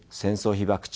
被爆地